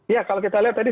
ya kalau kita lihat tadi